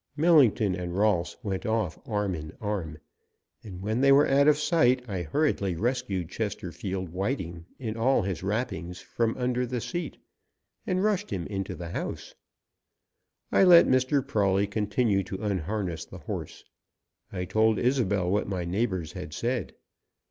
Millington and Rolfs went off arm in arm, and when they were out of sight I hurriedly rescued Chesterfield Whiting, in all his wrappings, from under the seat, and rushed him into the house. I let Mr. Prawley continue to unharness the horse. I told Isobel what my neighbours had said.